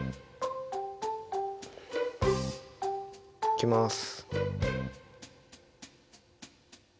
いきます。